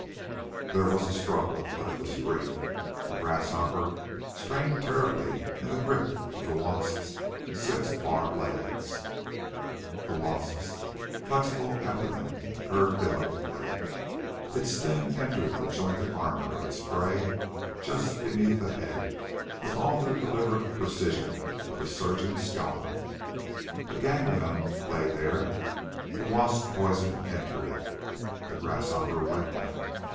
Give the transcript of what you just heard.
There was a struggle, but it was brief. The grasshopper strained terribly in the grip of the wasp's six barbed legs. The wasp's flexible abdomen curved delicately. Its sting entered the jointed armor of its prey just beneath the head with all the deliberate precision of a surgeon's scalpel. A ganglion lay there; the wasp poison entered it. The grasshopper went limp.